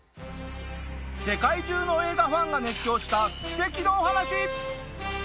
世界中の映画ファンが熱狂した奇跡のお話。